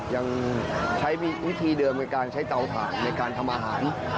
ยังใช้วิธีเดิมในการใช้เตาถ่านในการทำอาหาร